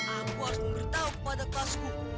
aku harus memberitahu pada kelasku